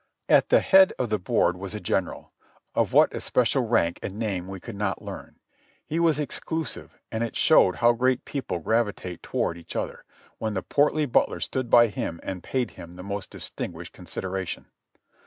At the head of the board was a general, of what especial rank and name we could not learn. He was exclusive, and it showed how great people gravitate toward each other, when the portly butler stood by him and paid him the most distinguished con sideration.